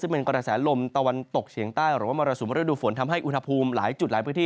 ซึ่งเป็นกระแสลมตะวันตกเฉียงใต้หรือว่ามรสุมฤดูฝนทำให้อุณหภูมิหลายจุดหลายพื้นที่